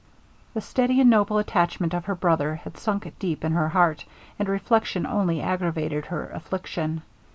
The steady and noble attachment of her brother had sunk deep in her heart, and reflection only aggravated her affliction.